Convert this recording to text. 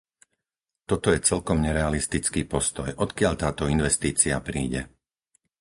Toto je celkom nerealistický postoj; odkiaľ táto investícia príde?